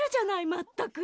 まったく。